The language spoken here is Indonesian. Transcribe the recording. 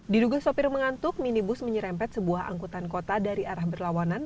diduga sopir mengantuk minibus menyerempet sebuah angkutan kota dari arah berlawanan